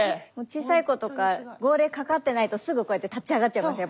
小さい子とか号令かかってないとすぐこうやって立ち上がっちゃいます